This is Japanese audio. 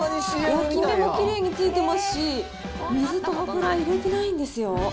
焼き目もきれいについてますし、水と油入れてないんですよ。